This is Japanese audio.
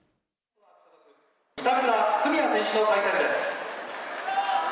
板倉史也選手の対戦です。